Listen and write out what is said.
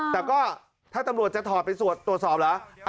แต่ก็ถ้าตำรวจจะถอดไปตรวจสอบเหรอ